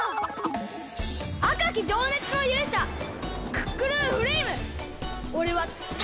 あかきじょうねつのゆうしゃクックルンフレイムおれはタイゾウ！